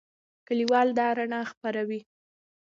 لیکوال دا رڼا خپروي.